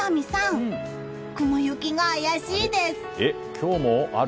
今日もある？